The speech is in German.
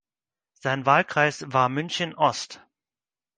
Sein Wahlkreis war München-Ost.